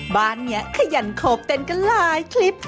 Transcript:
บ้านนี้ขยันโขบเต้นกันหลายคลิป